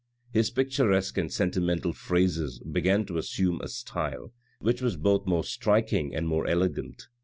His pictur esque and sentimental phrases began to assume a style, which was both more striking and more elegant.